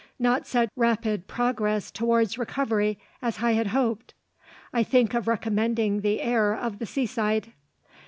"Not such rapid progress towards recovery as I had hoped. I think of recommending the air of the seaside."